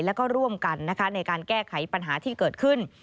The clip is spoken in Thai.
และร่วมกันในการแก้ไขปัญหาที่เกิดขึ้น